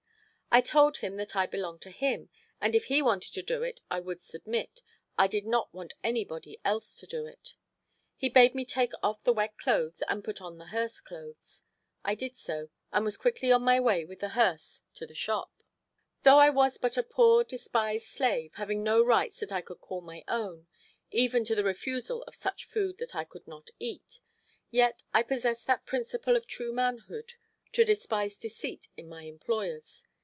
I told him that I belonged to him, and if he wanted to do it I would submit—I did not want anybody else to do it. He bade me take off the wet clothes and put on the hearse clothes. I did so, and was quickly on my way with the hearse to the shop. Though I was but a poor, despised slave, having no rights that I could call my own, even to the refusal of such food that I could not eat, yet I possessed that principle of true manhood to despise deceit in my employers.